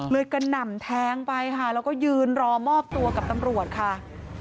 กระหน่ำแทงไปค่ะแล้วก็ยืนรอมอบตัวกับตำรวจค่ะ